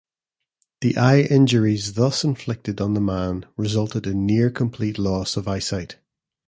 The eye injuries thus inflicted on the man resulted in near-complete loss of eyesight.